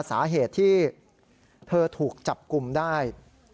สาเหตุที่เธอถูกจับกลุ่มได้